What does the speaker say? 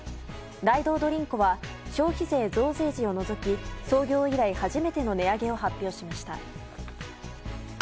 ダイドードリンコは消費税増税時を除き創業以来初めての値上げを発表しました。